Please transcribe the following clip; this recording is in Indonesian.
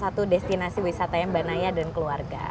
satu destinasi wisatanya mbak naya dan keluarga